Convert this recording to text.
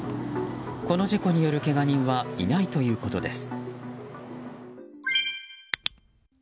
この事故によるけが人はいないということです。